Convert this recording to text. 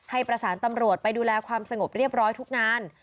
ประสานตำรวจไปดูแลความสงบเรียบร้อยทุกงาน